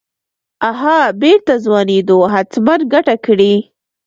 اها بېرته ځوانېدو حتمن ګته کړې.